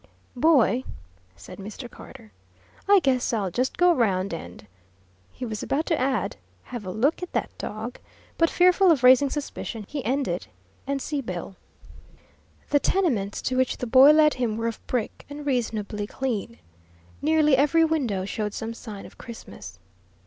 "Boy," said Mr. Carter, "I guess I'll just go round and" he was about to add, "have a look at that dog," but fearful of raising suspicion, he ended "and see Bill." The tenements to which the boy led him were of brick, and reasonably clean. Nearly every window showed some sign of Christmas.